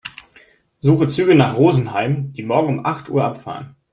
Suche Züge nach Rosenheim, die morgen um acht Uhr abfahren.